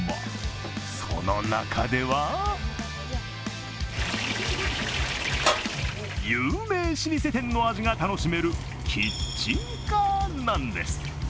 その中では有名老舗店の味が楽しめるキッチンカーなんです。